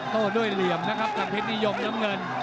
โต้ด้วยเหลี่ยมนะครับทางเพชรนิยมน้ำเงิน